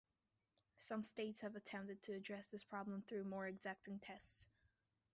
Some states have attempted to address this problem through more exacting tests.